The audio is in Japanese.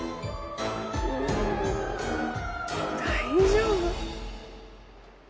う大丈夫？